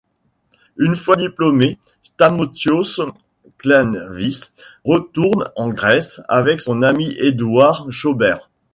Une fois diplômé, Stamatios Kleanthis retourne en Grèce avec son ami Eduard Schaubert.